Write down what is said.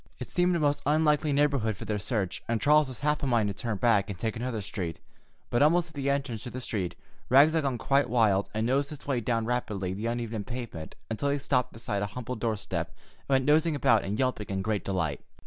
It seemed a most unlikely neighborhood for their search, and Charles was half of a mind to turn back and take another street, but almost at the entrance to the street Rags had gone quite wild and nosed his way rapidly down the uneven pavement until he stopped beside a humble doorstep and went nosing about and yelping in great delight.